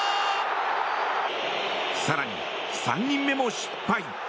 更に、３人目も失敗。